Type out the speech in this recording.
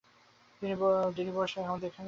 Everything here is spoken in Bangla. বিমি বোস আগেভাগেই সেখানে গিয়েছে।